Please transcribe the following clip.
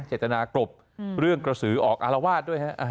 เจตนากรบเรื่องกระสือออกอารวาสด้วยฮะ